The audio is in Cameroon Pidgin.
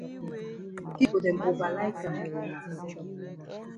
Pipo dem ova like am.